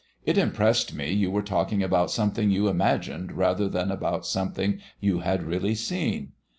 It impressed me you were talking about something you imagined rather than about something you had really seen.